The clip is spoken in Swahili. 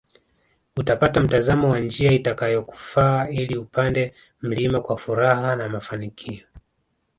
Utapata mtazamo wa njia itakayokufaa ili upande mlima kwa furaha na mafanikio